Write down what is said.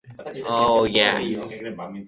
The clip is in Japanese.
その上不思議な事は眼がない